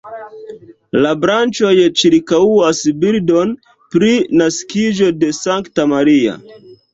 La branĉoj ĉirkaŭas bildon pri naskiĝo de Sankta Maria.